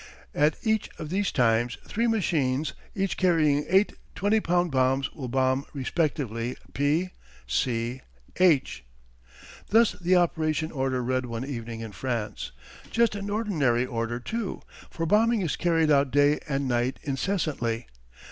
At each of these times three machines, each carrying eight twenty pound bombs, will bomb respectively P , C , H ." Thus the operation order read one evening in France. Just an ordinary order too, for bombing is carried out day and night incessantly.